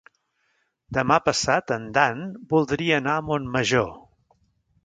Demà passat en Dan voldria anar a Montmajor.